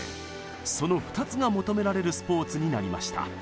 その２つが求められるスポーツになりました。